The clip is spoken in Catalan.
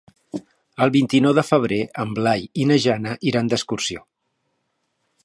El vint-i-nou de febrer en Blai i na Jana iran d'excursió.